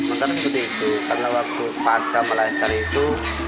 mungkin seperti itu karena waktu pasca melahirkan itu